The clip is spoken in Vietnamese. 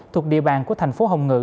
thuộc địa bàn của thành phố hồng ngự